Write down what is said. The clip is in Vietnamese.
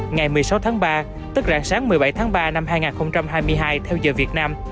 ngày một mươi sáu tháng ba tức rạng sáng một mươi bảy tháng ba năm hai nghìn hai mươi hai theo giờ việt nam